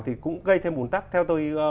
thì cũng gây thêm bùn tắc theo tôi